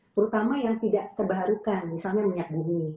terutama yang tidak terbarukan misalnya minyak bumi